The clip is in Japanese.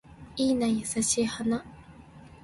いいな優しい花